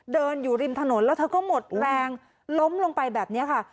อยู่ริมถนนแล้วเธอก็หมดแรงล้มลงไปแบบนี้ค่ะ